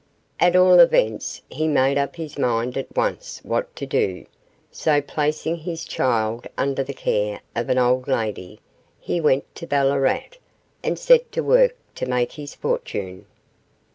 At all events, he made up his mind at once what to do: so, placing his child under the care of an old lady, he went to Ballarat, and set to work to make his fortune.